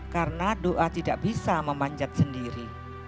karena doa tidak bisa memanjat sendiri